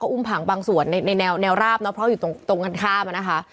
อุ้มผังบางส่วนในแนวราบเพราะว่าอยู่ตรงกันข้าม